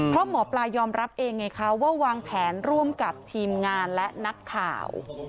เพราะหมอปลายอมรับเองไงคะว่าวางแผนร่วมกับทีมงานและนักข่าว